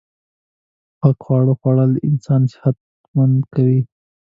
پاک خواړه خوړل انسان صحت منده کوی